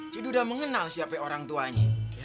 jadi udah mengenal siapa orang tuanya